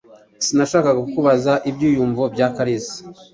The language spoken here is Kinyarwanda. Sinashakaga kubabaza ibyiyumvo bya Kalisa.